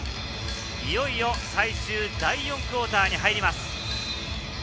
いよいよ最終第４クオーターに入ります。